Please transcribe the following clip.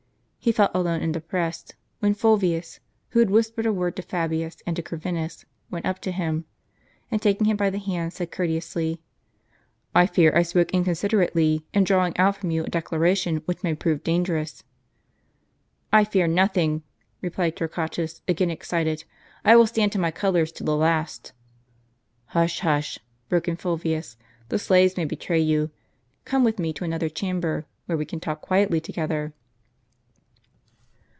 He felt alone and depressed, when Fulvius, who had whispered a word to Fabius, and to Corvinus, went up to him, and taking him by the hand said, courteously: "I fear, I spoke inconsiderately, in drawing out from you a declaration which may prove dangerous." "I fear nothing," replied Torquatus, again excited; "I will stand to my colors to the last." "Hush, hush !" broke in Fulvius, "the slaves may betray you. Come with me to another chamber, where we can talk quietly together."